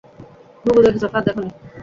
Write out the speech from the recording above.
ঘুঘু দেখেছ, ফাঁদ দেখনি।